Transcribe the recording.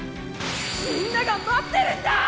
みんなが待ってるんだぁ！